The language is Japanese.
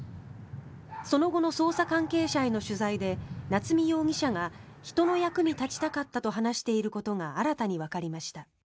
その後の捜査関係者への取材で夏見容疑者が人の役に立ちたかったと話していることが新たにわかりました。